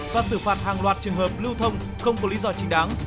và xử phạt hàng loạt trường hợp lưu thông không có lý do chính đáng